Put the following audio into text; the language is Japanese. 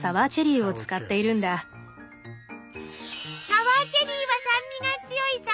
サワーチェリーは酸味が強いさくらんぼ。